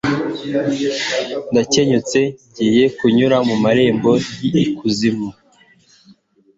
ndakenyutse ngiye kunyura mu marembo y'ikuzimu